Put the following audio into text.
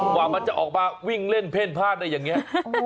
กว่ามันจะออกมาวิ่งเล่นเพ่นพลาดได้อย่างนี้